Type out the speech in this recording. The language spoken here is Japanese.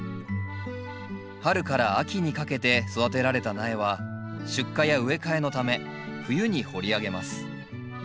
春から秋にかけて育てられた苗は出荷や植え替えのため冬に掘り上げます。